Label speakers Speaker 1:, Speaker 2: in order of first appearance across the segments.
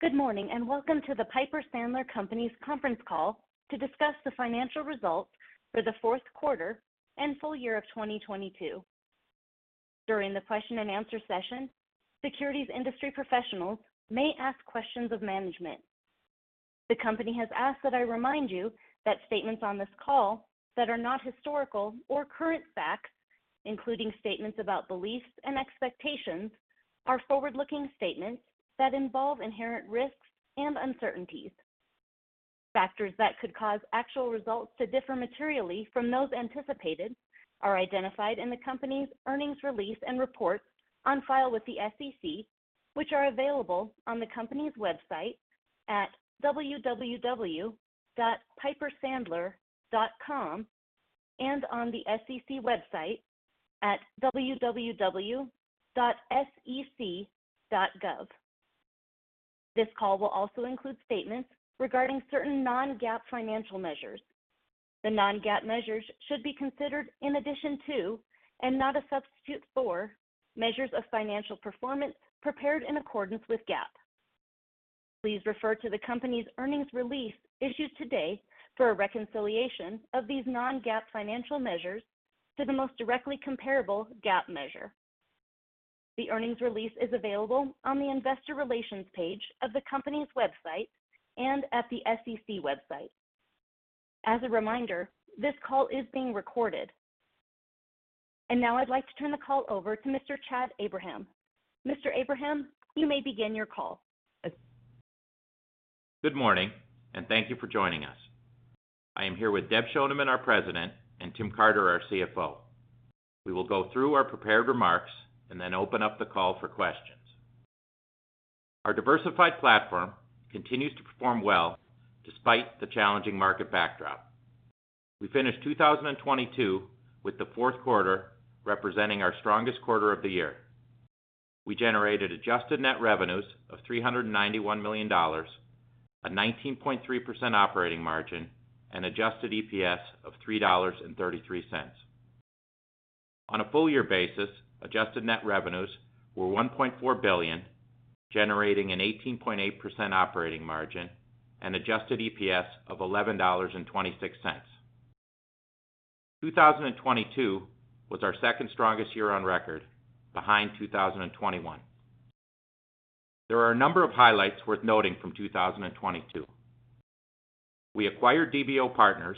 Speaker 1: Good morning, and welcome to the Piper Sandler Companies conference call to discuss the financial results for the fourth quarter and full year of 2022. During the question and answer session, securities industry professionals may ask questions of management. The company has asked that I remind you that statements on this call that are not historical or current facts, including statements about beliefs and expectations, are forward-looking statements that involve inherent risks and uncertainties. Factors that could cause actual results to differ materially from those anticipated are identified in the company's earnings release and reports on file with the SEC, which are available on the company's website at www.pipersandler.com and on the SEC website at www.sec.gov. This call will also include statements regarding certain non-GAAP financial measures. The non-GAAP measures should be considered in addition to, and not a substitute for, measures of financial performance prepared in accordance with GAAP. Please refer to the company's earnings release issued today for a reconciliation of these non-GAAP financial measures to the most directly comparable GAAP measure. The earnings release is available on the investor relations page of the company's website and at the SEC website. As a reminder, this call is being recorded. Now I'd like to turn the call over to Mr. Chad Abraham. Mr. Abraham, you may begin your call.
Speaker 2: Good morning. Thank you for joining us. I am here with Deb Schoneman, our President, and Tim Carter, our CFO. We will go through our prepared remarks. Then open up the call for questions. Our diversified platform continues to perform well despite the challenging market backdrop. We finished 2022 with the fourth quarter representing our strongest quarter of the year. We generated adjusted net revenues of $391 million, a 19.3% operating margin, and adjusted EPS of $3.33. On a full year basis, adjusted net revenues were $1.4 billion, generating an 18.8% operating margin and adjusted EPS of $11.26. 2022 was our second strongest year on record behind 2021. There are a number of highlights worth noting from 2022. We acquired DBO Partners,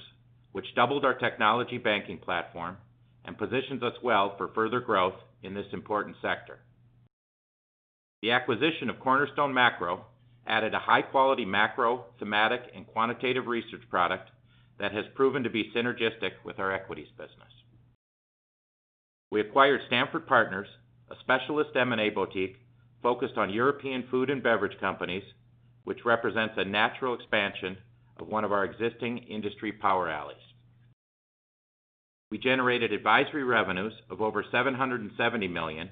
Speaker 2: which doubled our technology banking platform and positions us well for further growth in this important sector. The acquisition of Cornerstone Macro added a high-quality macro, thematic, and quantitative research product that has proven to be synergistic with our equities business. We acquired Stamford Partners, a specialist M&A boutique focused on European food and beverage companies, which represents a natural expansion of one of our existing industry power alleys. We generated advisory revenues of over $770 million,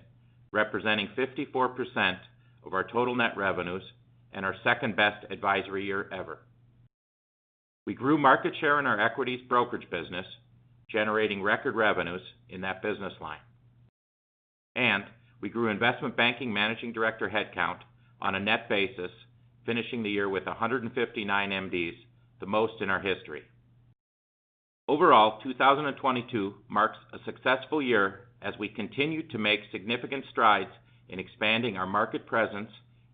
Speaker 2: representing 54% of our total net revenues and our second-best advisory year ever. We grew market share in our equities brokerage business, generating record revenues in that business line. We grew investment banking managing director headcount on a net basis, finishing the year with 159 MDs, the most in our history. Overall, 2022 marks a successful year as we continue to make significant strides in expanding our market presence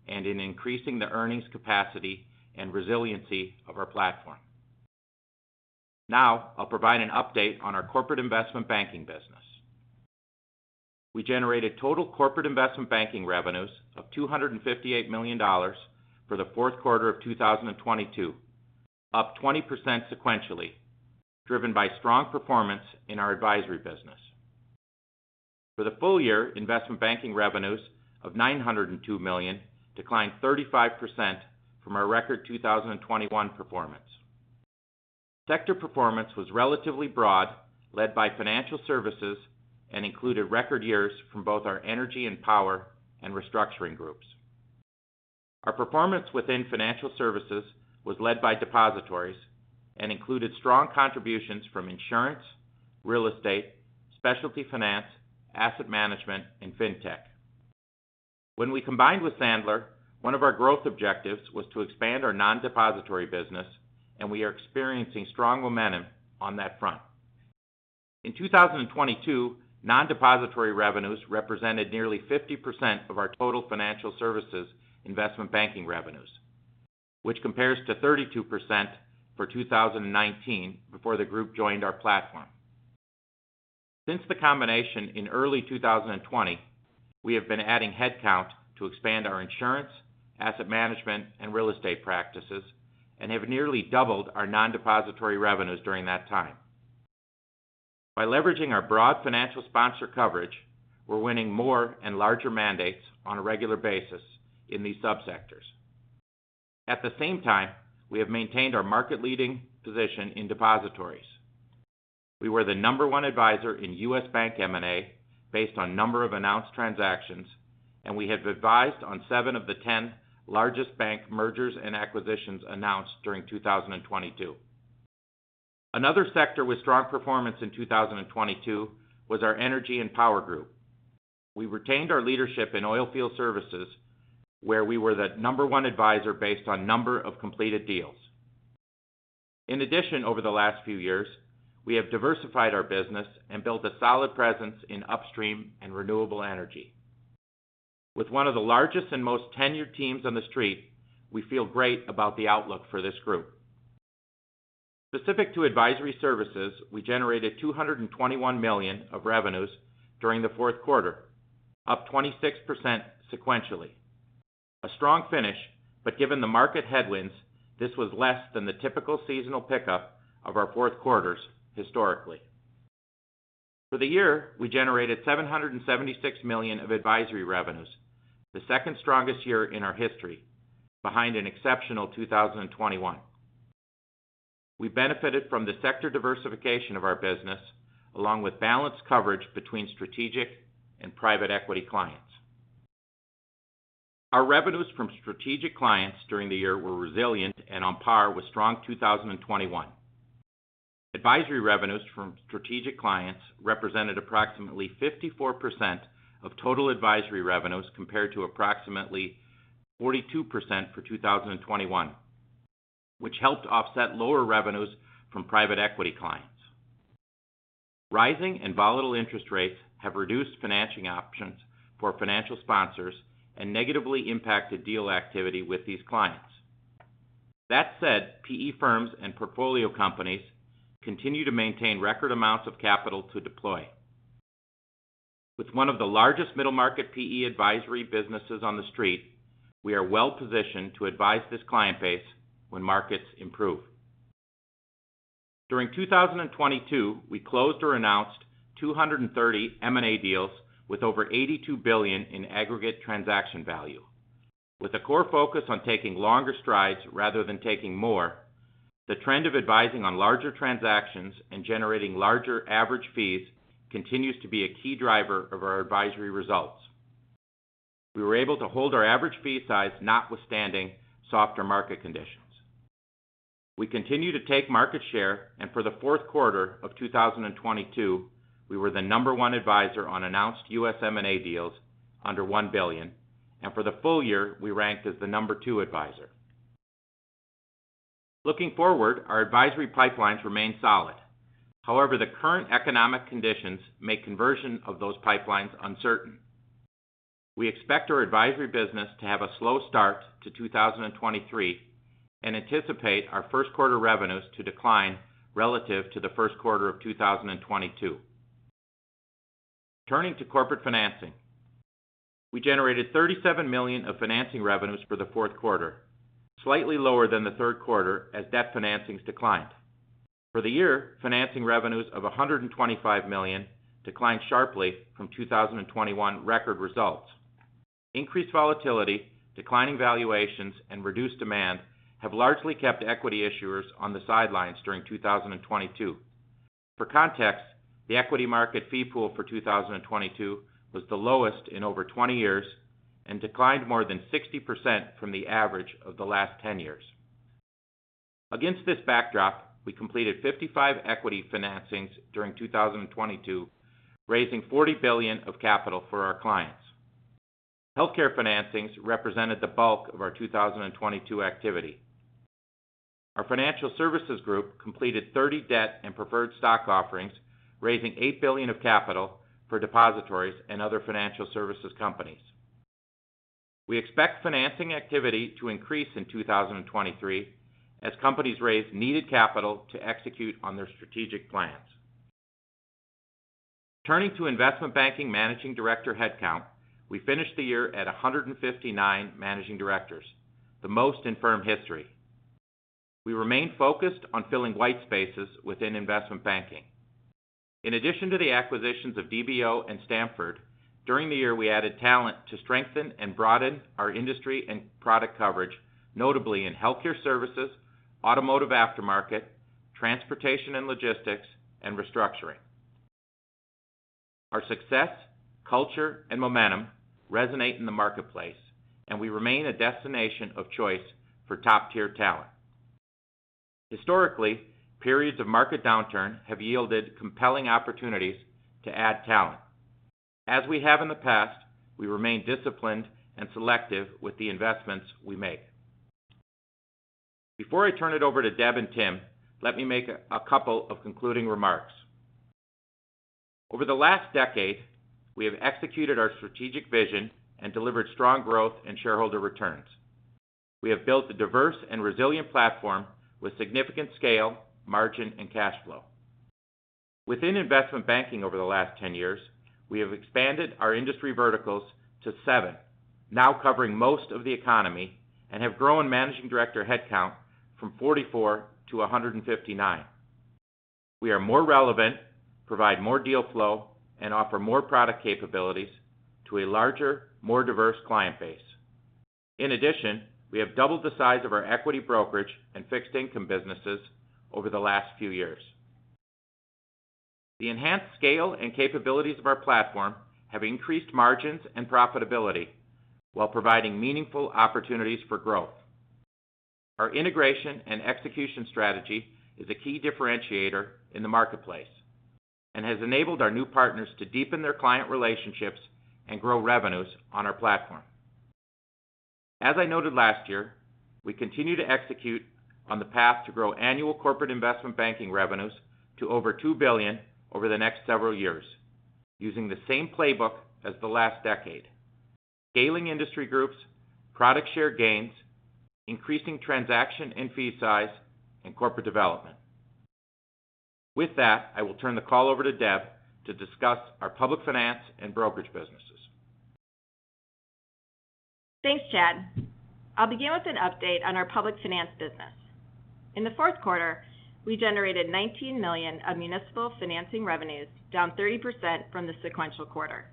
Speaker 2: and in increasing the earnings capacity and resiliency of our platform. I'll provide an update on our corporate investment banking business. We generated total corporate investment banking revenues of $258 million for the fourth quarter of 2022, up 20% sequentially, driven by strong performance in our advisory business. For the full year, investment banking revenues of $902 million declined 35% from our record 2021 performance. Sector performance was relatively broad, led by financial services, and included record years from both our energy and power and restructuring groups. Our performance within financial services was led by depositories and included strong contributions from insurance, real estate, specialty finance, asset management, and fintech. When we combined with Sandler, one of our growth objectives was to expand our non-depository business, and we are experiencing strong momentum on that front. In 2022, non-depository revenues represented nearly 50% of our total financial services investment banking revenues, which compares to 32% for 2019 before the group joined our platform. Since the combination in early 2020, we have been adding headcount to expand our insurance, asset management, and real estate practices and have nearly doubled our non-depository revenues during that time. By leveraging our broad financial sponsor coverage, we're winning more and larger mandates on a regular basis in these subsectors. At the same time, we have maintained our market-leading position in depositories. We were the number one advisor in U.S. bank M&A based on number of announced transactions. We have advised on 7 of the 10 largest bank mergers and acquisitions announced during 2022. Another sector with strong performance in 2022 was our energy and power group. We retained our leadership in oilfield services, where we were the number one advisor based on number of completed deals. In addition, over the last few years, we have diversified our business and built a solid presence in upstream and renewable energy. With one of the largest and most tenured teams on the street, we feel great about the outlook for this group. Specific to advisory services, we generated $221 million of revenues during the fourth quarter, up 26% sequentially. A strong finish, given the market headwinds, this was less than the typical seasonal pickup of our fourth quarters historically. For the year, we generated $776 million of advisory revenues, the second strongest year in our history, behind an exceptional 2021. We benefited from the sector diversification of our business, along with balanced coverage between strategic and private equity clients. Our revenues from strategic clients during the year were resilient and on par with strong 2021. Advisory revenues from strategic clients represented approximately 54% of total advisory revenues compared to approximately 42% for 2021, which helped offset lower revenues from private equity clients. Rising and volatile interest rates have reduced financing options for financial sponsors and negatively impacted deal activity with these clients. That said, PE firms and portfolio companies continue to maintain record amounts of capital to deploy. With one of the largest middle market PE advisory businesses on the street, we are well-positioned to advise this client base when markets improve. During 2022, we closed or announced 230 M&A deals with over $82 billion in aggregate transaction value. With a core focus on taking longer strides rather than taking more, the trend of advising on larger transactions and generating larger average fees continues to be a key driver of our advisory results. We were able to hold our average fee size notwithstanding softer market conditions. We continue to take market share. For the fourth quarter of 2022, we were the number one advisor on announced U.S. M&A deals under $1 billion, and for the full year, we ranked as the number two advisor. Looking forward, our advisory pipelines remain solid. The current economic conditions make conversion of those pipelines uncertain. We expect our advisory business to have a slow start to 2023 and anticipate our first quarter revenues to decline relative to the first quarter of 2022. Turning to corporate financing, we generated $37 million of financing revenues for the fourth quarter, slightly lower than the third quarter as debt financings declined. For the year, financing revenues of $125 million declined sharply from 2021 record results. Increased volatility, declining valuations, and reduced demand have largely kept equity issuers on the sidelines during 2022. For context, the equity market fee pool for 2022 was the lowest in over 20 years and declined more than 60% from the average of the last 10 years. We completed 55 equity financings during 2022, raising $40 billion of capital for our clients. Healthcare financings represented the bulk of our 2022 activity. Our financial services group completed 30 debt and preferred stock offerings, raising $8 billion of capital for depositories and other financial services companies. We expect financing activity to increase in 2023 as companies raise needed capital to execute on their strategic plans. Turning to investment banking managing director headcount, we finished the year at 159 managing directors, the most in firm history. We remain focused on filling white spaces within investment banking. In addition to the acquisitions of DBO and Stamford Partners, during the year, we added talent to strengthen and broaden our industry and product coverage, notably in healthcare services, automotive aftermarket, transportation and logistics, and restructuring. Our success, culture, and momentum resonate in the marketplace, and we remain a destination of choice for top-tier talent. Historically, periods of market downturn have yielded compelling opportunities to add talent. As we have in the past, we remain disciplined and selective with the investments we make. Before I turn it over to Deb and Tim, let me make a couple of concluding remarks. Over the last decade, we have executed our strategic vision and delivered strong growth in shareholder returns. We have built a diverse and resilient platform with significant scale, margin, and cash flow. Within investment banking over the last 10 years, we have expanded our industry verticals to 7, now covering most of the economy, and have grown managing director headcount from 44-159. We are more relevant, provide more deal flow, and offer more product capabilities to a larger, more diverse client base. In addition, we have doubled the size of our equity brokerage and fixed income businesses over the last few years. The enhanced scale and capabilities of our platform have increased margins and profitability while providing meaningful opportunities for growth. Our integration and execution strategy is a key differentiator in the marketplace and has enabled our new partners to deepen their client relationships and grow revenues on our platform. As I noted last year, we continue to execute on the path to grow annual corporate investment banking revenues to over $2 billion over the next several years using the same playbook as the last decade. Scaling industry groups, product share gains, increasing transaction and fee size, and corporate development. With that, I will turn the call over to Deb to discuss our public finance and brokerage businesses.
Speaker 3: Thanks, Chad. I'll begin with an update on our public finance business. In the fourth quarter, we generated $19 million of municipal financing revenues, down 30% from the sequential quarter.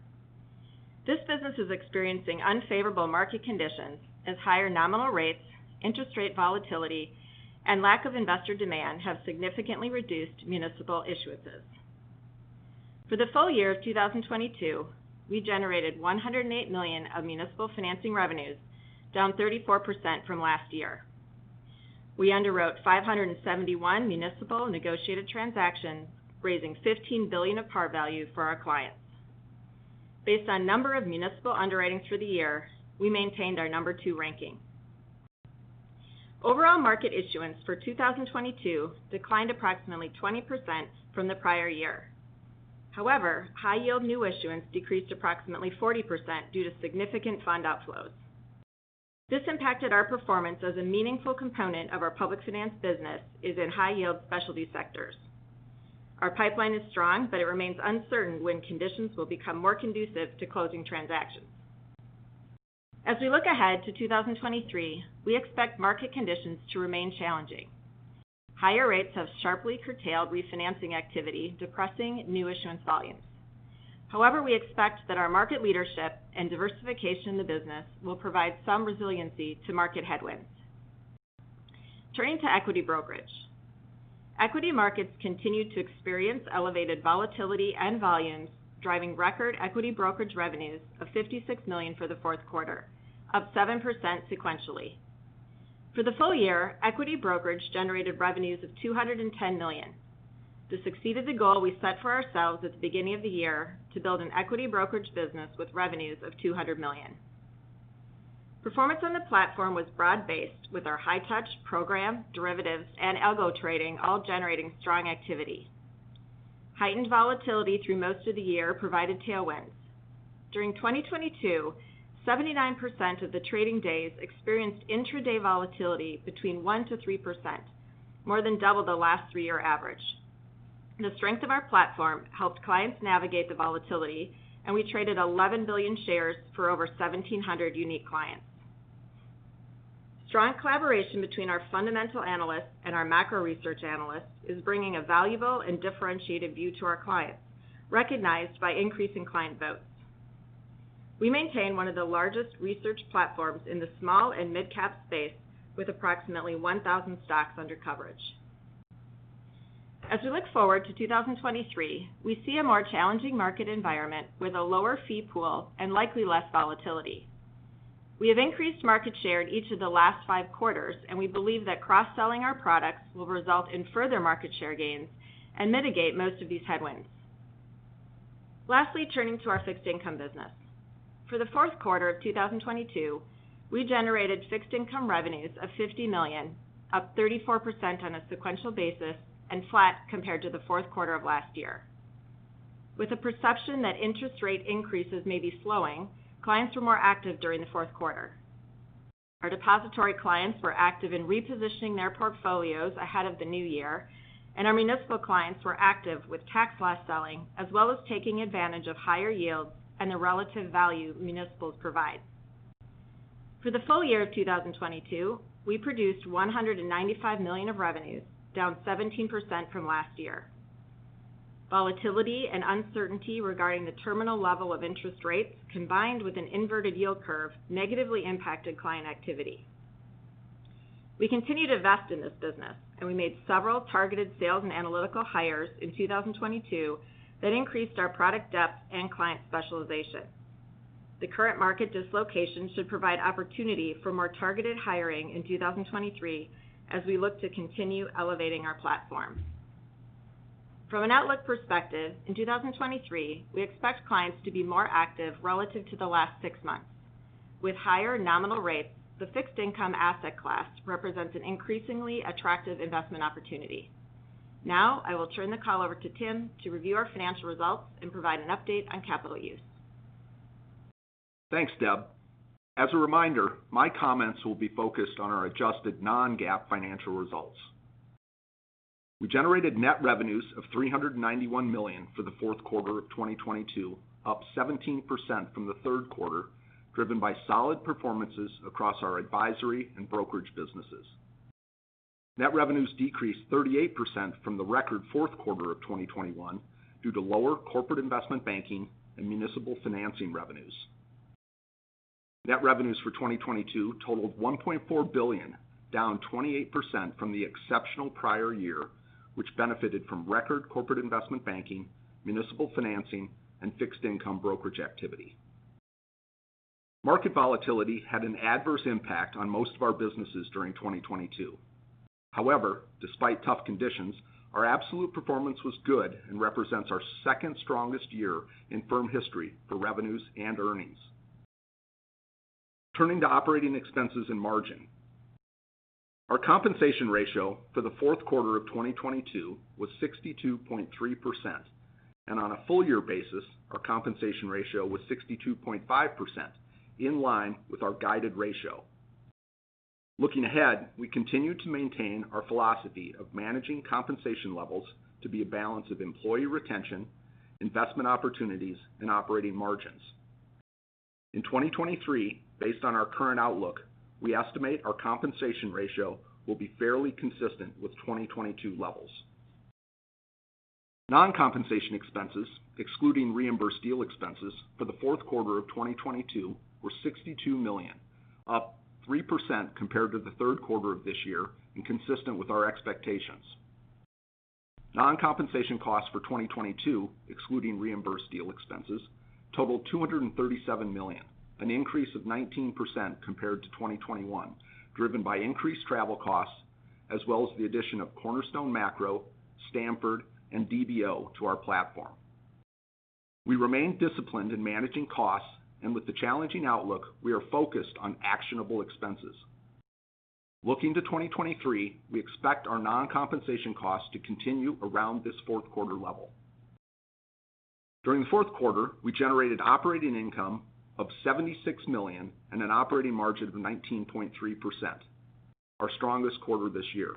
Speaker 3: This business is experiencing unfavorable market conditions as higher nominal rates, interest rate volatility, and lack of investor demand have significantly reduced municipal issuances. For the full year of 2022, we generated $108 million of municipal financing revenues, down 34% from last year. We underwrote 571 municipal negotiated transactions, raising $15 billion of par value for our clients. Based on number of municipal underwriting through the year, we maintained our number two ranking. Overall market issuance for 2022 declined approximately 20% from the prior year. High-yield new issuance decreased approximately 40% due to significant fund outflows. This impacted our performance as a meaningful component of our public finance business is in high-yield specialty sectors. Our pipeline is strong. It remains uncertain when conditions will become more conducive to closing transactions. As we look ahead to 2023, we expect market conditions to remain challenging. Higher rates have sharply curtailed refinancing activity, depressing new issuance volumes. We expect that our market leadership and diversification in the business will provide some resiliency to market headwinds. Turning to equity brokerage. Equity markets continued to experience elevated volatility and volumes, driving record equity brokerage revenues of $56 million for the fourth quarter, up 7% sequentially. For the full year, equity brokerage generated revenues of $210 million. This exceeded the goal we set for ourselves at the beginning of the year to build an equity brokerage business with revenues of $200 million. Performance on the platform was broad-based with our high-touch program, derivatives, and algo trading all generating strong activity. Heightened volatility through most of the year provided tailwinds. During 2022, 79% of the trading days experienced intraday volatility between 1%-3%, more than double the last 3-year average. The strength of our platform helped clients navigate the volatility. We traded 11 billion shares for over 1,700 unique clients. Strong collaboration between our fundamental analysts and our macro research analysts is bringing a valuable and differentiated view to our clients, recognized by increasing client votes. We maintain one of the largest research platforms in the small and midcap space with approximately 1,000 stocks under coverage. As we look forward to 2023, we see a more challenging market environment with a lower fee pool and likely less volatility. We have increased market share in each of the last 5 quarters. We believe that cross-selling our products will result in further market share gains and mitigate most of these headwinds. Lastly, turning to our fixed income business. For the fourth quarter of 2022, we generated fixed income revenues of $50 million, up 34% on a sequential basis and flat compared to the fourth quarter of last year. With the perception that interest rate increases may be slowing, clients were more active during the fourth quarter. Our depository clients were active in repositioning their portfolios ahead of the new year, and our municipal clients were active with tax loss selling, as well as taking advantage of higher yields and the relative value municipals provide. For the full year of 2022, we produced $195 million of revenues, down 17% from last year. Volatility and uncertainty regarding the terminal level of interest rates, combined with an inverted yield curve, negatively impacted client activity. We continue to invest in this business. We made several targeted sales and analytical hires in 2022 that increased our product depth and client specialization. The current market dislocation should provide opportunity for more targeted hiring in 2023, as we look to continue elevating our platform. From an outlook perspective, in 2023, we expect clients to be more active relative to the last six months. With higher nominal rates, the fixed income asset class represents an increasingly attractive investment opportunity. Now, I will turn the call over to Tim to review our financial results and provide an update on capital use.
Speaker 4: Thanks, Deb. As a reminder, my comments will be focused on our adjusted non-GAAP financial results. We generated net revenues of $391 million for the fourth quarter of 2022, up 17% from the third quarter, driven by solid performances across our advisory and brokerage businesses. Net revenues decreased 38% from the record fourth quarter of 2021 due to lower corporate investment banking and municipal financing revenues. Net revenues for 2022 totaled $1.4 billion, down 28% from the exceptional prior year, which benefited from record corporate investment banking, municipal financing, and fixed income brokerage activity. Market volatility had an adverse impact on most of our businesses during 2022. However, despite tough conditions, our absolute performance was good and represents our second strongest year in firm history for revenues and earnings. Turning to operating expenses and margin. Our compensation ratio for the fourth quarter of 2022 was 62.3%, and on a full year basis, our compensation ratio was 62.5%, in line with our guided ratio. Looking ahead, we continue to maintain our philosophy of managing compensation levels to be a balance of employee retention, investment opportunities, and operating margins. In 2023, based on our current outlook, we estimate our compensation ratio will be fairly consistent with 2022 levels. Non-compensation expenses, excluding reimbursed deal expenses, for the fourth quarter of 2022 were $62 million, up 3% compared to the third quarter of this year and consistent with our expectations. Non-compensation costs for 2022, excluding reimbursed deal expenses, totaled $237 million, an increase of 19% compared to 2021, driven by increased travel costs as well as the addition of Cornerstone Macro, Stamford, and DBO to our platform. We remain disciplined in managing costs and with the challenging outlook, we are focused on actionable expenses. Looking to 2023, we expect our non-compensation costs to continue around this fourth quarter level. During the fourth quarter, we generated operating income of $76 million and an operating margin of 19.3%, our strongest quarter this year.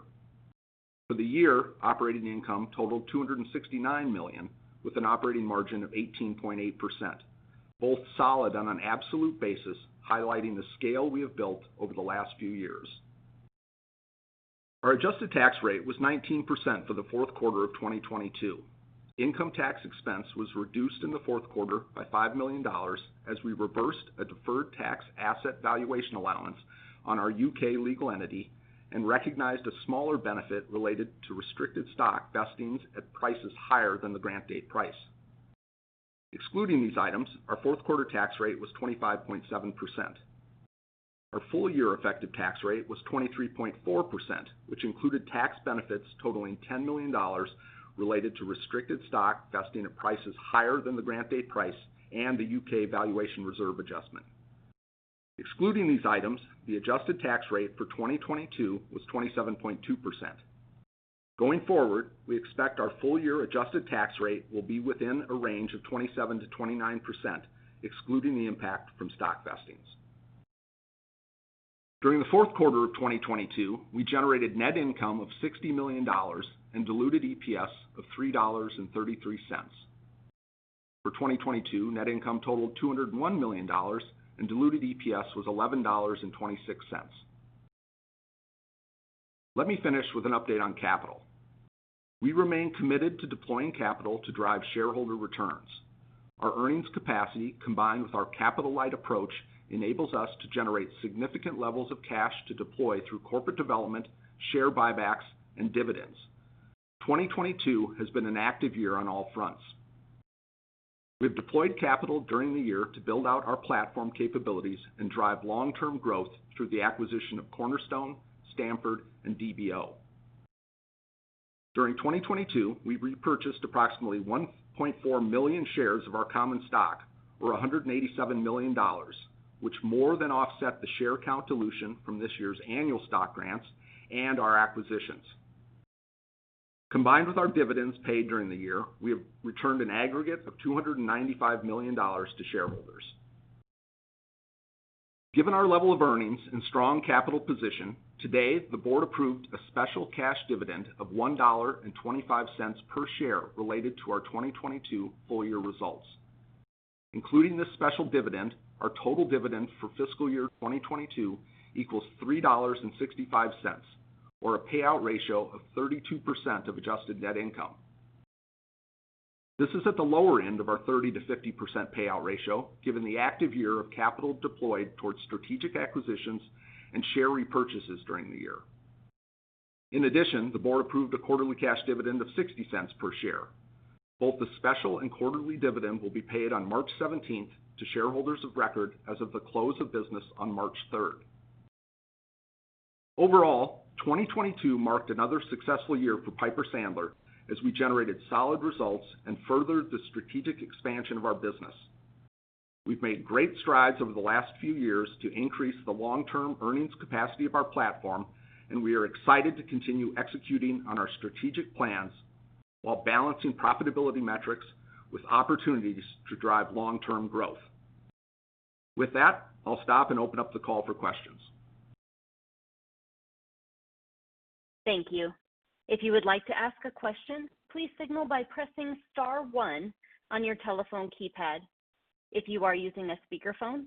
Speaker 4: For the year, operating income totaled $269 million with an operating margin of 18.8%, both solid on an absolute basis, highlighting the scale we have built over the last few years. Our adjusted tax rate was 19% for the fourth quarter of 2022. Income tax expense was reduced in the fourth quarter by $5 million as we reversed a deferred tax asset valuation allowance on our U.K. legal entity and recognized a smaller benefit related to restricted stock vestings at prices higher than the grant date price. Excluding these items, our fourth quarter tax rate was 25.7%. Our full year effective tax rate was 23.4%, which included tax benefits totaling $10 million related to restricted stock vesting at prices higher than the grant date price and the U.K. valuation reserve adjustment. Excluding these items, the adjusted tax rate for 2022 was 27.2%. Going forward, we expect our full year adjusted tax rate will be within a range of 27%-29%, excluding the impact from stock vestings. During the fourth quarter of 2022, we generated net income of $60 million and diluted EPS of $3.33. For 2022, net income totaled $201 million and diluted EPS was $11.26. Let me finish with an update on capital. We remain committed to deploying capital to drive shareholder returns. Our earnings capacity, combined with our capital-light approach, enables us to generate significant levels of cash to deploy through corporate development, share buybacks, and dividends. 2022 has been an active year on all fronts. We've deployed capital during the year to build out our platform capabilities and drive long-term growth through the acquisition of Cornerstone, Stamford Partners, and DBO. During 2022, we repurchased approximately 1.4 million shares of our common stock, or $187 million, which more than offset the share count dilution from this year's annual stock grants and our acquisitions. Combined with our dividends paid during the year, we have returned an aggregate of $295 million to shareholders. Given our level of earnings and strong capital position, today, the board approved a special cash dividend of $1.25 per share related to our 2022 full year results. Including this special dividend, our total dividend for fiscal year 2022 equals $3.65, or a payout ratio of 32% of adjusted net income. This is at the lower end of our 30%-50% payout ratio, given the active year of capital deployed towards strategic acquisitions and share repurchases during the year. The board approved a quarterly cash dividend of $0.60 per share. Both the special and quarterly dividend will be paid on March 17th to shareholders of record as of the close of business on March 3rd. Overall, 2022 marked another successful year for Piper Sandler as we generated solid results and furthered the strategic expansion of our business. We've made great strides over the last few years to increase the long-term earnings capacity of our platform. We are excited to continue executing on our strategic plans while balancing profitability metrics with opportunities to drive long-term growth. With that, I'll stop and open up the call for questions.
Speaker 1: Thank you. If you would like to ask a question, please signal by pressing star one on your telephone keypad. If you are using a speakerphone,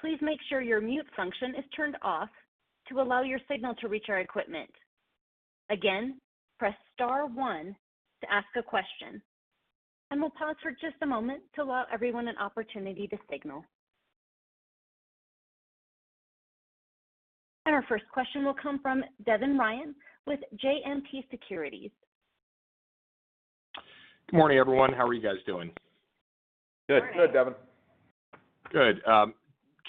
Speaker 1: please make sure your mute function is turned off to allow your signal to reach our equipment. Again, press star one to ask a question. We'll pause for just a moment to allow everyone an opportunity to signal. Our first question will come from Devin Ryan with JMP Securities.
Speaker 5: Good morning, everyone. How are you guys doing?
Speaker 2: Good.
Speaker 4: Good, Devin.
Speaker 5: Good. Chad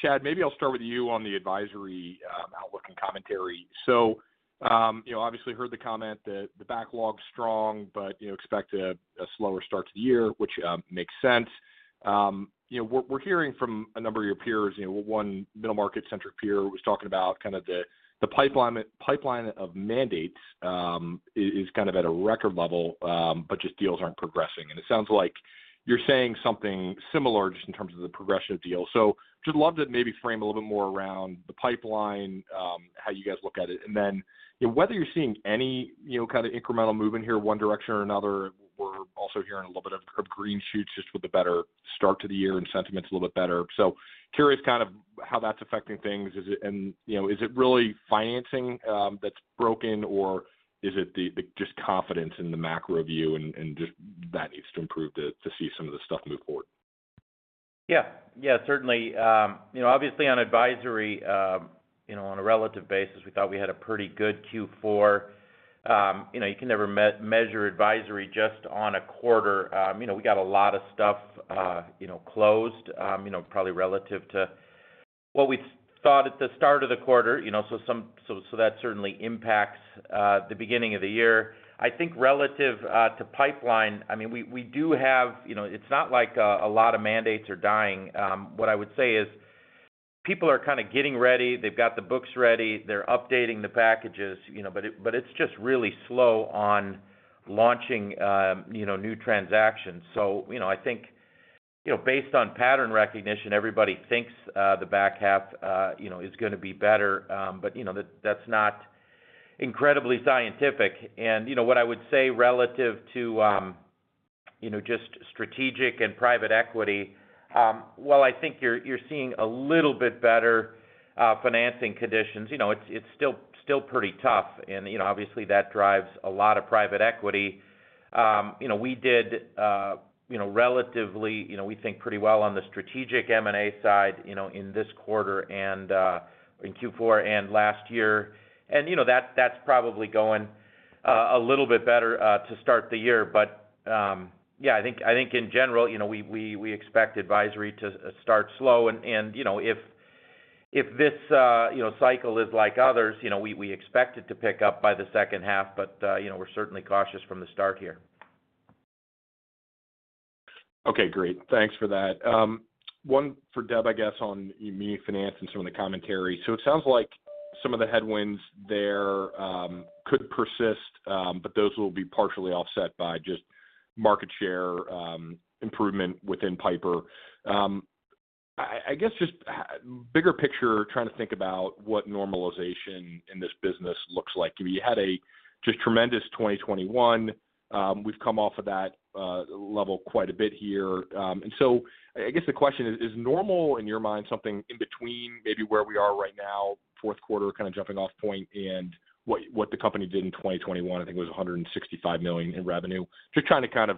Speaker 5: Abraham, maybe I'll start with you on the advisory, outlook and commentary. You know, obviously heard the comment that the backlog's strong, but, you know, expect a slower start to the year, which makes sense. You know, we're hearing from a number of your peers, you know, one middle market-centric peer was talking about kind of the pipeline of mandates, is kind of at a record level, but just deals aren't progressing. It sounds like you're saying something similar just in terms of the progression of deals. Just love to maybe frame a little bit more around the pipeline, how you guys look at it. You know, whether you're seeing any, you know, kind of incremental movement here, one direction or another. We're also hearing a little bit of green shoots just with a better start to the year and sentiment's a little bit better. Curious kind of how that's affecting things? You know, is it really financing that's broken, or is it the just confidence in the macro view and just that needs to improve to see some of the stuff move forward?
Speaker 2: Yeah. Yeah, certainly. Obviously on advisory, on a relative basis, we thought we had a pretty good Q4. You can never measure advisory just on a quarter. We got a lot of stuff, closed, probably relative to what we thought at the start of the quarter, so that certainly impacts the beginning of the year. I think relative to pipeline, we do have, it's not like a lot of mandates are dying. What I would say is people are kinda getting ready. They've got the books ready. They're updating the packages. It's just really slow on launching new transactions. You know, I think, you know, based on pattern recognition, everybody thinks, the back half, you know, is gonna be better. You know, that's not incredibly scientific. You know, what I would say relative to, you know, just strategic and private equity, while I think you're seeing a little bit better, financing conditions, you know, it's still pretty tough. You know, obviously, that drives a lot of private equity. You know, we did, you know, relatively, you know, we think pretty well on the strategic M&A side, you know, in this quarter and in Q4 and last year. You know, that's probably going a little bit better to start the year. Yeah, I think in general, you know, we expect advisory to start slow and, you know, if this, you know, cycle is like others, you know, we expect it to pick up by the second half. You know, we're certainly cautious from the start here.
Speaker 5: Okay, great. Thanks for that. One for Deb, I guess, on EMEA finance and some of the commentary. It sounds like some of the headwinds there could persist, but those will be partially offset by just market share improvement within Piper. I guess just bigger picture, trying to think about what normalization in this business looks like. You know, you had a just tremendous 2021. We've come off of that level quite a bit here. I guess the question is normal, in your mind, something in between maybe where we are right now, fourth quarter kind of jumping off point, and what the company did in 2021? I think it was $165 million in revenue. Just trying to kind of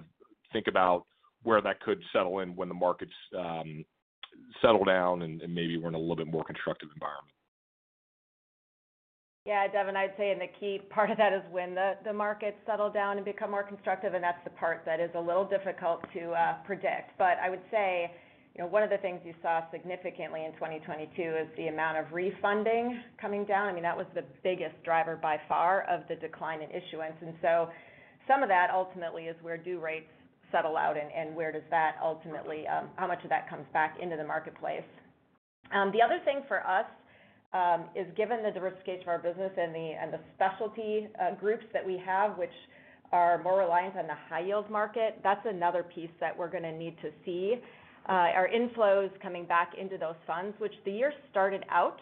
Speaker 5: think about where that could settle in when the markets settle down and maybe we're in a little bit more constructive environment.
Speaker 3: Yeah, Devin, I'd say the key part of that is when the markets settle down and become more constructive, that's the part that is a little difficult to predict. I would say, you know, one of the things you saw significantly in 2022 is the amount of refunding coming down. I mean, that was the biggest driver by far of the decline in issuance. Some of that ultimately is where due rates settle out and where does that ultimately, how much of that comes back into the marketplace. The other thing for us, is given the de-risked nature of our business and the specialty groups that we have, which are more reliant on the high-yield market, that's another piece that we're gonna need to see our inflows coming back into those funds, which the year started out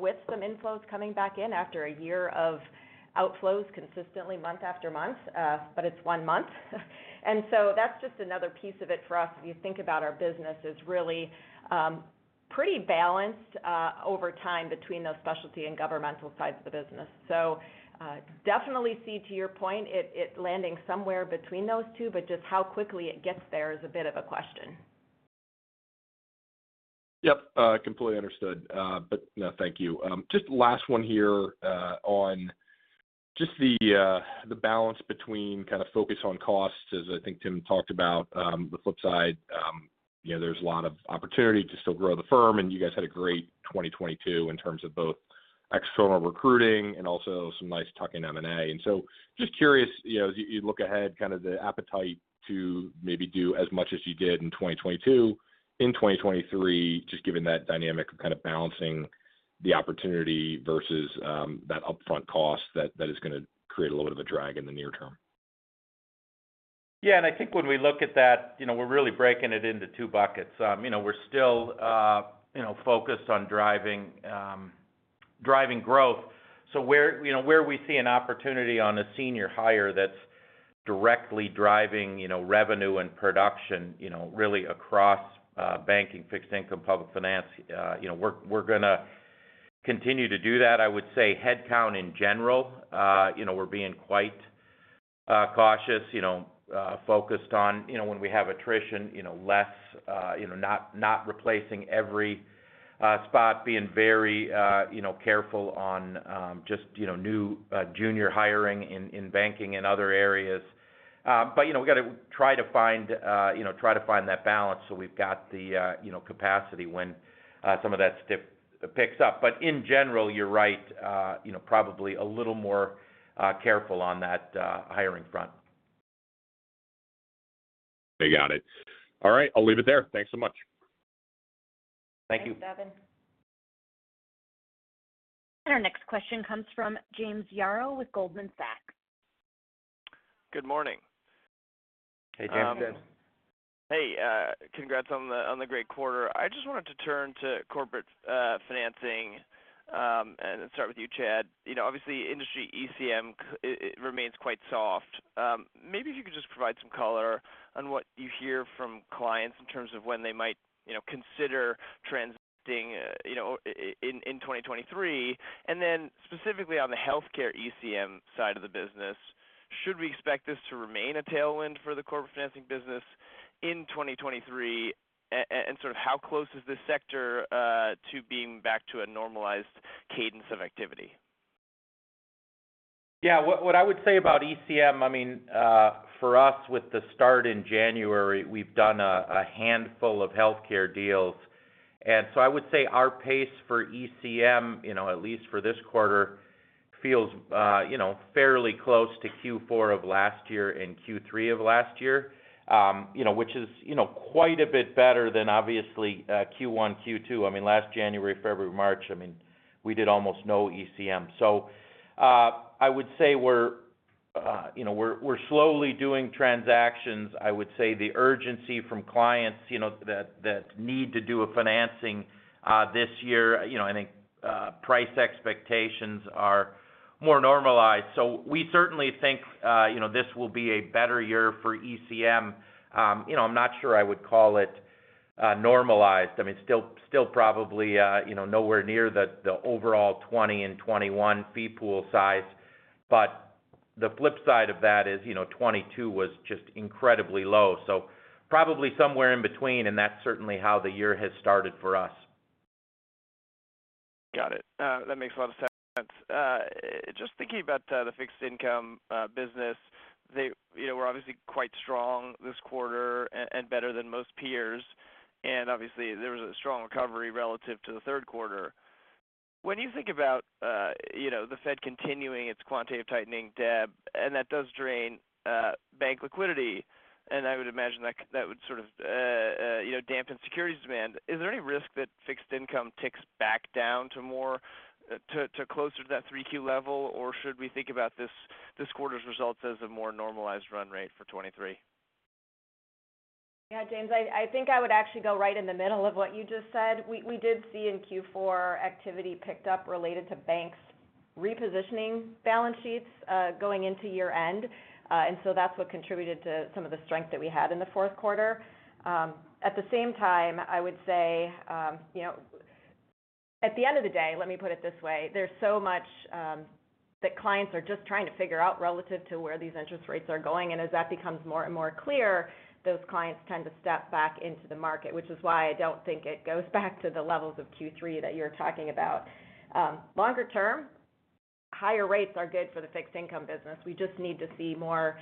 Speaker 3: with some inflows coming back in after a year of outflows consistently month after month, but it's one month. That's just another piece of it for us. If you think about our business is really pretty balanced over time between those specialty and governmental sides of the business. Definitely see, to your point, it landing somewhere between those two, but just how quickly it gets there is a bit of a question.
Speaker 5: Yep. Completely understood. No, thank you. Just last one here, on just the balance between kind of focus on costs, as I think Tim talked about. The flip side, you know, there's a lot of opportunity to still grow the firm, and you guys had a great 2022 in terms of both external recruiting and also some nice tuck-in M&A. Just curious, you know, as you look ahead, kind of the appetite to maybe do as much as you did in 2022, in 2023, just given that dynamic of kind of balancing the opportunity versus that upfront cost that is gonna create a little bit of a drag in the near term.
Speaker 2: Yeah. I think when we look at that, you know, we're really breaking it into 2 buckets. You know, we're still, you know, focused on driving growth. Where, you know, where we see an opportunity on a senior hire that's directly driving, you know, revenue and production, you know, really across banking, fixed income, public finance. You know, we're gonna continue to do that. I would say headcount in general, you know, we're being quite cautious, you know, focused on, you know, when we have attrition, you know, less, you know, not replacing every spot being very, you know, careful on, just, you know, new junior hiring in banking and other areas. You know, we've got to try to find, you know, try to find that balance so we've got the, you know, capacity when some of that stuff picks up. In general, you're right, you know, probably a little more careful on that hiring front.
Speaker 5: I got it. All right. I'll leave it there. Thanks so much.
Speaker 2: Thank you.
Speaker 1: Thanks, Devin. Our next question comes from James Jarrell with Goldman Sachs.
Speaker 6: Good morning.
Speaker 2: Hey, James.
Speaker 6: Hey, congrats on the great quarter. I just wanted to turn to corporate financing and start with you, Chad. You know, obviously, industry ECM, it remains quite soft. Maybe if you could just provide some color on what you hear from clients in terms of when they might, you know, consider transacting, you know, in 2023. Specifically on the healthcare ECM side of the business, should we expect this to remain a tailwind for the corporate financing business in 2023? Sort of how close is this sector to being back to a normalized cadence of activity?
Speaker 2: Yeah. What I would say about ECM, I mean, for us, with the start in January, we've done a handful of healthcare deals. I would say our pace for ECM, you know, at least for this quarter, feels, you know, fairly close to Q4 of last year and Q3 of last year. You know, which is, you know, quite a bit better than obviously Q1, Q2. I mean, last January, February, March, I mean, we did almost no ECM. I would say we're, you know, we're slowly doing transactions. I would say the urgency from clients, you know, that need to do a financing this year, you know, I think price expectations are more normalized. We certainly think, you know, this will be a better year for ECM. You know, I'm not sure I would call it normalized. I mean, still probably, you know, nowhere near the overall 2020 and 2021 fee pool size. The flip side of that is, you know, 2022 was just incredibly low, probably somewhere in between, and that's certainly how the year has started for us.
Speaker 6: Got it. That makes a lot of sense. Just thinking about the fixed income business. They, you know, were obviously quite strong this quarter and better than most peers, and obviously there was a strong recovery relative to the third quarter. When you think about, you know, the Fed continuing its quantitative tightening, Deb, that does drain bank liquidity, I would imagine that would sort of, you know, dampen securities demand. Is there any risk that fixed income ticks back down to more to closer to that 3Q level? Should we think about this quarter's results as a more normalized run rate for 23?
Speaker 3: Yeah, James, I think I would actually go right in the middle of what you just said. We did see in Q4 activity picked up related to banks repositioning balance sheets, going into year-end. That's what contributed to some of the strength that we had in the fourth quarter. At the same time, I would say, you know, at the end of the day, let me put it this way. There's so much that clients are just trying to figure out relative to where these interest rates are going. As that becomes more and more clear, those clients tend to step back into the market, which is why I don't think it goes back to the levels of Q3 that you're talking about. Longer term, higher rates are good for the fixed income business. We just need to see more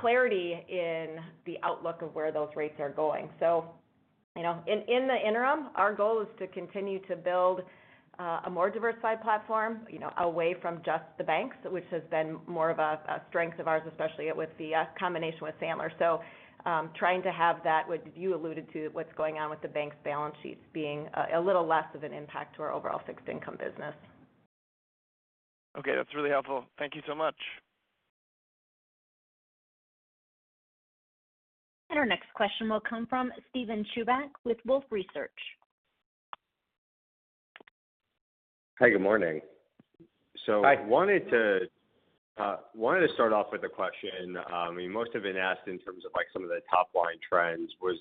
Speaker 3: clarity in the outlook of where those rates are going. You know, in the interim, our goal is to continue to build a more diversified platform, you know, away from just the banks, which has been more of a strength of ours, especially with the combination with Sandler. Trying to have that, what you alluded to, what's going on with the bank's balance sheets being a little less of an impact to our overall fixed income business.
Speaker 6: Okay. That's really helpful. Thank you so much.
Speaker 1: Our next question will come from Steven Chubak with Wolfe Research.
Speaker 7: Hey, good morning.
Speaker 2: Hi.
Speaker 7: I wanted to wanted to start off with a question, we most have been asked in terms of, like, some of the top line trends, was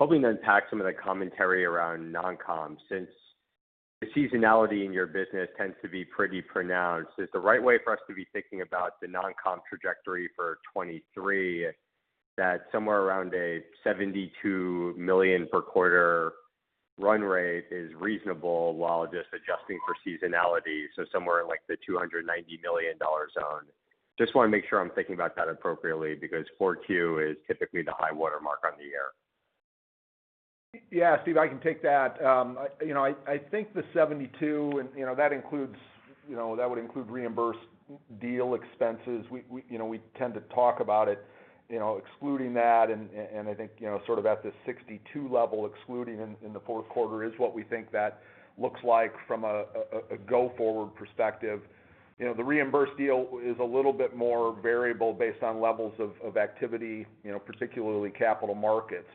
Speaker 7: hoping to unpack some of the commentary around non-com since the seasonality in your business tends to be pretty pronounced. Is the right way for us to be thinking about the non-com trajectory for 2023 that somewhere around a $72 million per quarter run rate is reasonable while just adjusting for seasonality, so somewhere in, like, the $290 million zone. Just want to make sure I'm thinking about that appropriately because 4Q is typically the high watermark on the year.
Speaker 4: Yeah. Steve, I can take that. You know, I think the 72 and, you know, that includes, you know, that would include reimbursed deal expenses. We, you know, we tend to talk about it, you know, excluding that. I think, you know, sort of at the 62 level, excluding in Q4 is what we think that looks like from a, a go-forward perspective. You know, the reimbursed deal is a little bit more variable based on levels of activity, you know, particularly capital markets.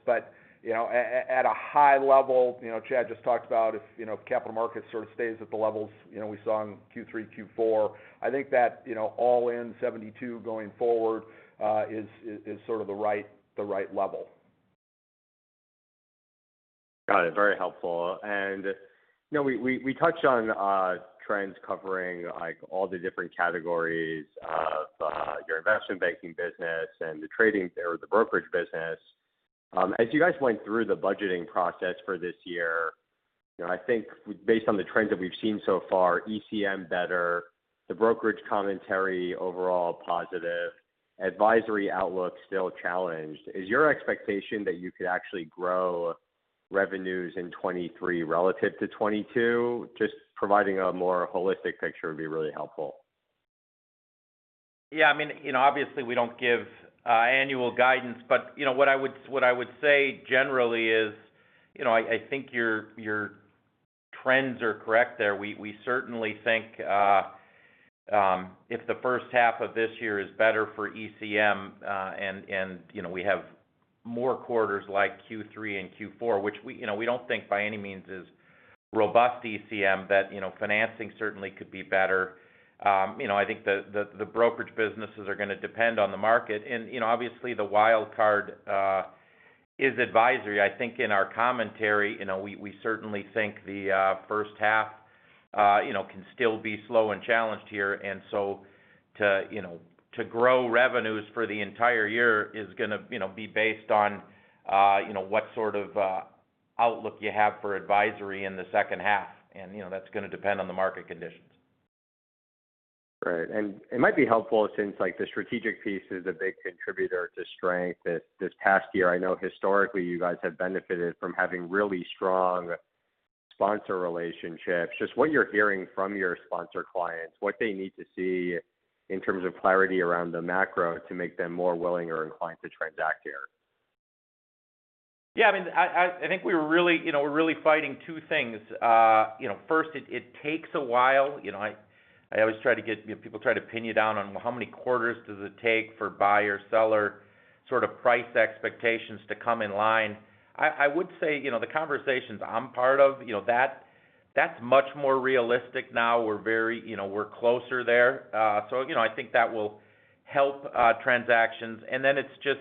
Speaker 4: you know, at, at a high level, you know, Chad just talked about if, you know, if capital markets sort of stays at the levels, you know, we saw in Q3, Q4, I think that, you know, all in 72 going forward, is sort of the right, the right level.
Speaker 7: Got it. Very helpful. You know, we touched on trends covering, like, all the different categories of your investment banking business and the trading there or the brokerage business. As you guys went through the budgeting process for this year, you know, I think based on the trends that we've seen so far, ECM better, the brokerage commentary overall positive, advisory outlook still challenged. Is your expectation that you could actually grow revenues in 2023 relative to 2022? Just providing a more holistic picture would be really helpful.
Speaker 2: Yeah. I mean, you know, obviously, we don't give annual guidance, but, you know, what I would say generally is, you know, I think your trends are correct there. We certainly think if the first half of this year is better for ECM, and, you know, we have more quarters like Q3 and Q4, which we, you know, we don't think by any means is robust ECM, but, you know, financing certainly could be better. You know, I think the brokerage businesses are gonna depend on the market. Obviously, the wild card is advisory. I think in our commentary, you know, we certainly think the first half, you know, can still be slow and challenged here. To, you know, to grow revenues for the entire year is gonna, you know, be based on, you know, what sort of, outlook you have for advisory in the second half. You know, that's gonna depend on the market conditions.
Speaker 7: Right. It might be helpful since, like, the strategic piece is a big contributor to strength this past year. I know historically you guys have benefited from having really strong sponsor relationships. Just what you're hearing from your sponsor clients, what they need to see in terms of clarity around the macro to make them more willing or inclined to transact here?
Speaker 2: Yeah. I mean, I, I think we're really, you know, we're really fighting two things. You know, first, it takes a while. You know, people try to pin you down on how many quarters does it take for buyer-seller sort of price expectations to come in line. I would say, you know, the conversations I'm part of, you know, that's much more realistic now. We're very, you know, we're closer there. You know, I think that will help transactions. Then it's just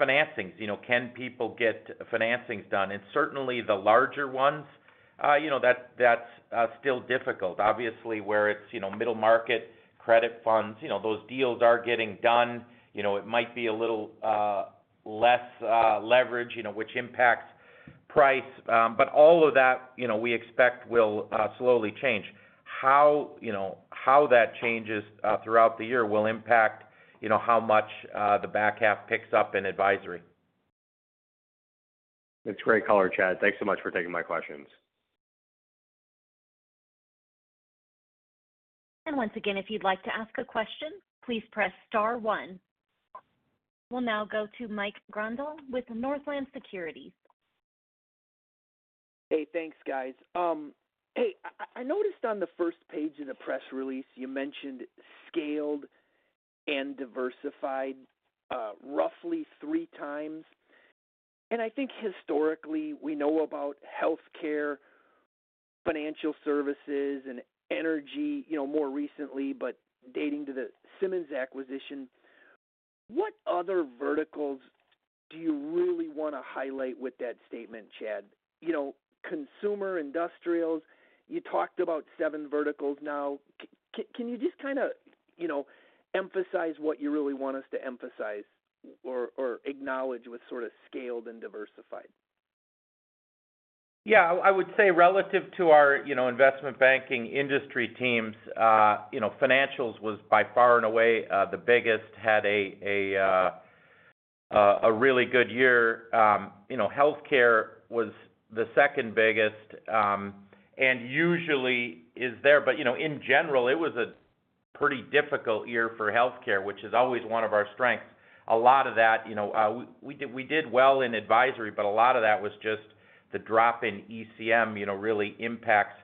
Speaker 2: financings. You know, can people get financings done? Certainly the larger ones, you know, that's still difficult. Obviously, where it's, you know, middle market credit funds, you know, those deals are getting done. You know, it might be a little less leverage, you know, which impacts price. All of that, you know, we expect will slowly change. How, you know, how that changes throughout the year will impact, you know, how much the back half picks up in advisory.
Speaker 7: That's great color, Chad. Thanks so much for taking my questions.
Speaker 1: Once again, if you'd like to ask a question, please press star one. We'll now go to Mike Grondahl with Northland Securities.
Speaker 8: Hey, thanks, guys. Hey, I noticed on the first page of the press release, you mentioned scaled and diversified, roughly three times. I think historically, we know about healthcare, financial services and energy, you know, more recently, but dating to the Simmons acquisition. What other verticals do you really wanna highlight with that statement, Chad? You know, consumer industrials, you talked about seven verticals now. Can you just kinda, you know, emphasize what you really want us to emphasize or acknowledge with sort of scaled and diversified?
Speaker 2: Yeah. I would say relative to our, you know, investment banking industry teams, you know, financials was by far and away the biggest. Had a really good year. You know, healthcare was the second biggest, and usually is there. You know, in general, it was a pretty difficult year for healthcare, which is always one of our strengths. A lot of that, you know, we did well in advisory, but a lot of that was just the drop in ECM, you know, really impacts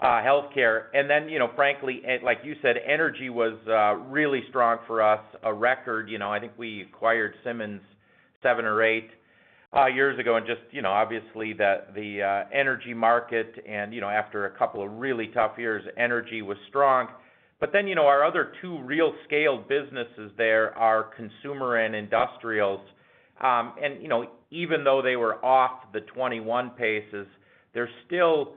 Speaker 2: healthcare. Then, you know, frankly, like you said, energy was really strong for us, a record. You know, I think we acquired Simmons seven or eight years ago, and just, you know, obviously the energy market and, you know, after a couple of really tough years, energy was strong. You know, our other two real scaled businesses there are consumer and industrials. And, you know, even though they were off the 2021 paces, they're still,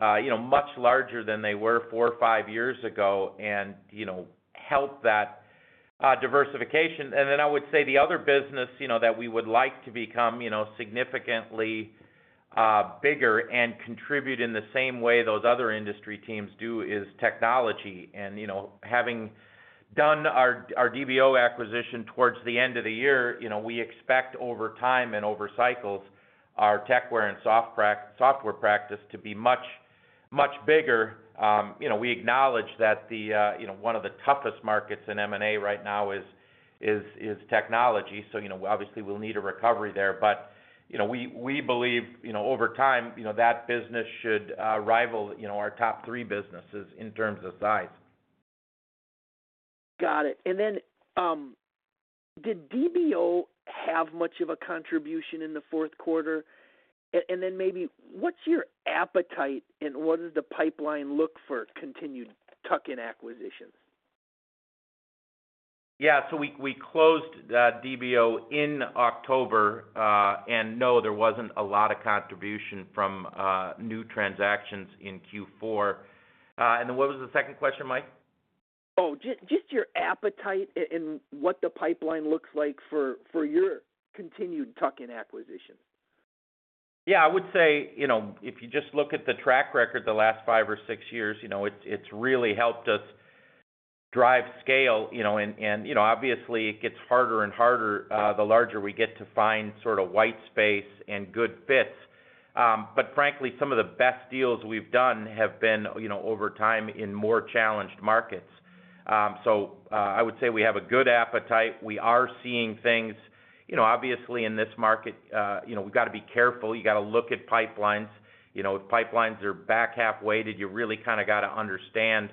Speaker 2: you know, much larger than they were four or five years ago and, you know, help that diversification. I would say the other business, you know, that we would like to become, you know, significantly bigger and contribute in the same way those other industry teams do is technology. You know, having done our DBO acquisition towards the end of the year, you know, we expect over time and over cycles, our software practice to be much, much bigger. You know, we acknowledge that, you know, one of the toughest markets in M&A right now is technology. You know, obviously we'll need a recovery there. You know, we believe, you know, over time, you know, that business should rival, you know, our top three businesses in terms of size.
Speaker 8: Got it. Did DBO have much of a contribution in the fourth quarter? Then maybe what's your appetite, and what does the pipeline look for continued tuck-in acquisitions?
Speaker 2: Yeah. We closed DBO in October. No, there wasn't a lot of contribution from new transactions in Q4. What was the second question, Mike?
Speaker 8: Oh, just your appetite and what the pipeline looks like for your continued tuck-in acquisitions.
Speaker 2: Yeah, I would say, you know, if you just look at the track record the last 5 or 6 years, you know, it's really helped us drive scale, you know, and, you know, obviously it gets harder and harder, the larger we get to find sort of white space and good fits. Frankly, some of the best deals we've done have been, you know, over time in more challenged markets. I would say we have a good appetite. We are seeing things. You know, obviously in this market, you know, we've got to be careful. You got to look at pipelines. You know, if pipelines are back half weighted, you really kinda gotta understand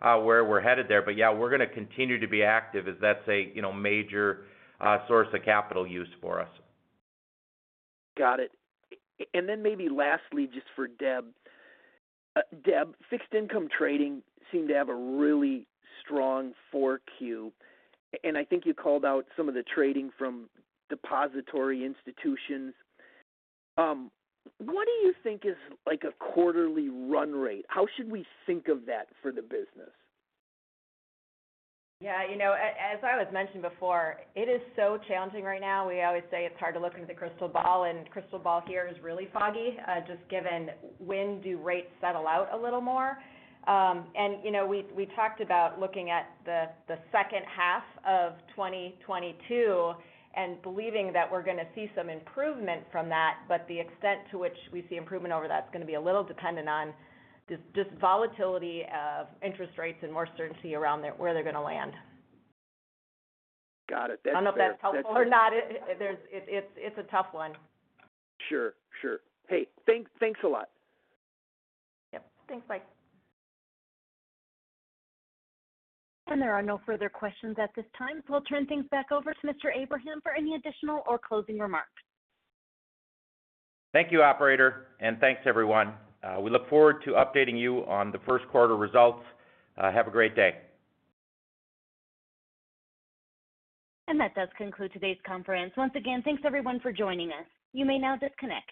Speaker 2: where we're headed there. Yeah, we're gonna continue to be active as that's a, you know, major source of capital use for us.
Speaker 8: Got it. Then maybe lastly, just for Deb. Deb, fixed income trading seemed to have a really strong 4Q. I think you called out some of the trading from depository institutions. What do you think is like a quarterly run rate? How should we think of that for the business?
Speaker 3: You know, as I was mentioning before, it is so challenging right now. We always say it's hard to look into the crystal ball, crystal ball here is really foggy, just given when do rates settle out a little more. You know, we talked about looking at the second half of 2022 and believing that we're gonna see some improvement from that. The extent to which we see improvement over that is gonna be a little dependent on just volatility of interest rates and more certainty around where they're gonna land.
Speaker 8: Got it. That's fair.
Speaker 3: I don't know if that's helpful or not. It's a tough one.
Speaker 8: Sure, sure. Hey, thanks a lot.
Speaker 3: Yep. Thanks, Mike.
Speaker 1: There are no further questions at this time. I'll turn things back over to Mr. Abraham for any additional or closing remarks.
Speaker 2: Thank you, operator, and thanks everyone. We look forward to updating you on the first quarter results. Have a great day.
Speaker 1: That does conclude today's conference. Once again, thanks everyone for joining us. You may now disconnect.